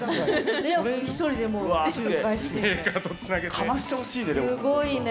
カマしてほしいね。